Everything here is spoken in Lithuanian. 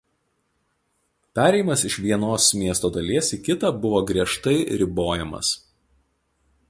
Perėjimas iš vienos miesto dalies į kitą buvo griežtai ribojamas.